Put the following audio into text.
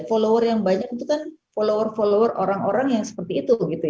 follower yang banyak itu kan follower follower orang orang yang seperti itu